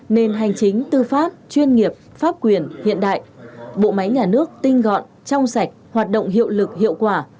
nền hành chính tư pháp chuyên nghiệp pháp quyền hiện đại bộ máy nhà nước tinh gọn trong sạch hoạt động hiệu lực hiệu quả